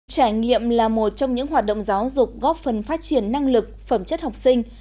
trải nghiệm là một trong những hoạt động giáo dục góp phần phát triển năng lực phẩm chất học sinh